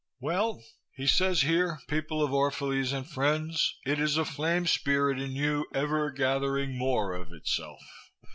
Well, he says here, people of Orphalese and friends, 'It is a flame spirit in you ever gathering more of itself.'